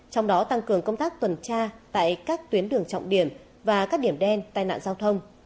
trong đó tăng cường công tác tuần tra tại các tuyến đường trọng điểm và các điểm đen tai nạn giao thông